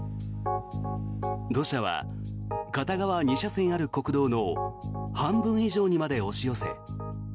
土砂は片側２車線ある国道の半分以上にまで押し寄せ